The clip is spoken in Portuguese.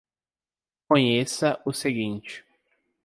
Conheça o seguinte